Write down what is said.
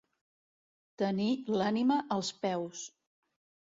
Tenir l'ànima als peus.